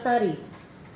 saudari diah oktasari